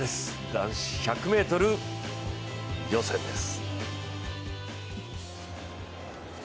男子１００ｍ予選です。